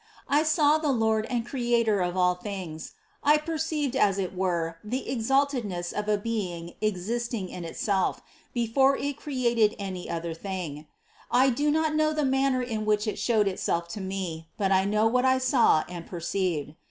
I saw the Lord and Creator of all things ; I perceived as it were the exalted ness of a Being existing in Itself, before It created any other thing; I do not know the manner in which It showed Itself to me, but I know what I saw and per ceived.